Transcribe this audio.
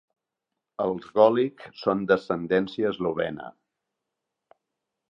Els Golic són d'ascendència eslovena.